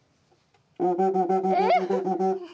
えっ！